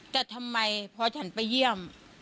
แต่ทำไมพอฉันไปเยี่ยม